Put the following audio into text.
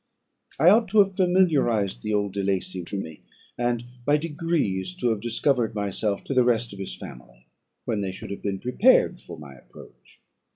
I ought to have familiarised the old De Lacey to me, and by degrees to have discovered myself to the rest of his family, when they should have been prepared for my approach.